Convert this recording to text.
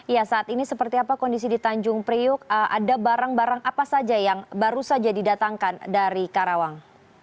ya saat ini seperti apa kondisi di tanjung priuk ada barang barang apa saja yang baru saja didatangkan dari karawang